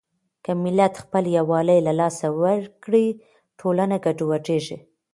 که ملت خپل يووالی له لاسه ورکړي، ټولنه ګډوډېږي.